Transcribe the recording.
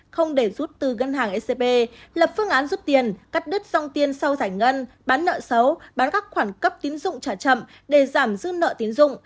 không để rút từ ngân hàng ecp lập phương án rút tiền cắt đứt dòng tiền sau giải ngân bán nợ xấu bán các khoản cấp tín dụng trả chậm để giảm dư nợ tiến dụng